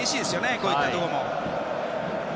こういったところも。